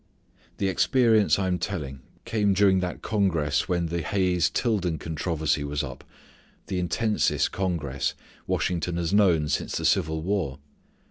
The experience I am telling came during that congress when the Hayes Tilden controversy was up, the intensest congress Washington has known since the Civil War.